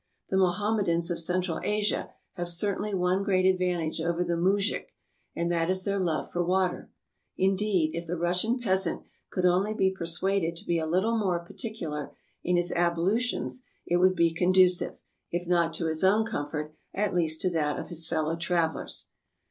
The Mohammedans of Central Asia have certainly one great advantage over the Moujik, and that is their love for water; indeed, if the Russian peasant could only be persuaded to be a little more particular in his ablutions, it would be conducive, if not to his own comfort, at least to that of his fellow travelers.